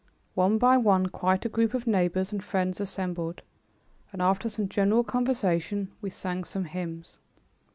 One by one quite a group of neighbors and friends assembled and, after some general conversation, we sang some hymns.